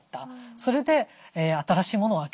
それで新しいものを開けてしまった。